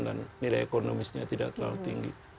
dan nilai ekonomisnya tidak terlalu tinggi